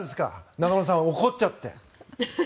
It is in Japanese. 中室さん、怒っちゃって。